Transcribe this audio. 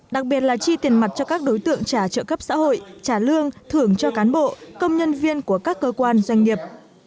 đặc biệt là chi tiền mặt cho các đối tượng trả trợ cấp xã hội trả lương thưởng cho cán bộ công nhân viên của các cơ quan doanh nghiệp